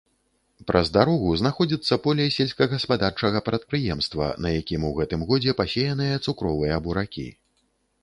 Праз дарогу знаходзіцца поле сельскагаспадарчага прадпрыемства, на якім у гэтым годзе пасеяныя цукровыя буракі.